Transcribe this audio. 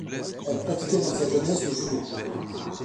Elle pratiquait dans sa jeunesse le judo.